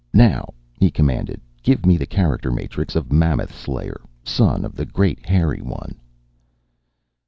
"Now," he commanded. "Give me the character matrix of Mammoth Slayer, son of the Great Hairy One."